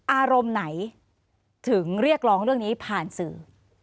อารมณ์ไหนถึงเรียกร้องเรื่องนี้ผ่านสื่อ